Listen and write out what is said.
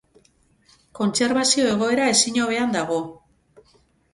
Kontserbazio egoera ezin hobean dago.